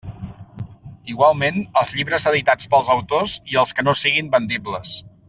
Igualment, els llibres editats pels autors i els que no siguen vendibles.